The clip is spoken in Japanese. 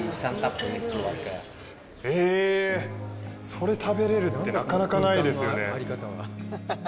それ食べれるってなかなかないですよね。